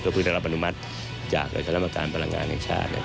ก็พึ่งได้รับอนุมัติจากกรรมการพลังงานในชาติ